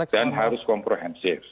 dan harus komprehensif